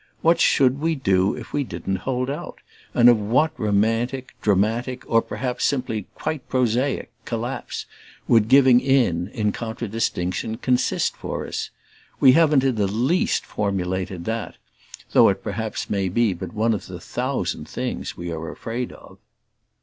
What should we do if we didn't hold out, and of what romantic, dramatic, or simply perhaps quite prosaic, collapse would giving in, in contradistinction, consist for us? We haven't in the least formulated that though it perhaps may but be one of the thousand things we are afraid of.